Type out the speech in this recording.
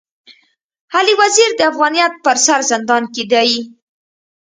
علي وزير د افغانيت پر سر زندان کي دی.